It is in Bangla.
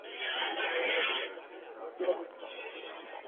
একই সঙ্গে বাংলাদেশে ন্যায্য শ্রম অধিকার চর্চার ওপরও গুরুত্ব প্রদান করেন।